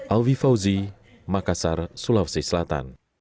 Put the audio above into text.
alvi fauzi makassar sulawesi selatan